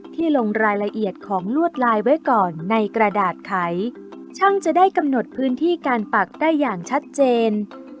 ลงรายละเอียดของลวดลายไว้ก่อนในกระดาษไขช่างจะได้กำหนดพื้นที่การปักได้อย่างชัดเจน